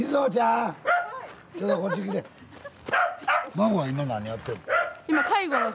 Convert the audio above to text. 孫は今何やってんの？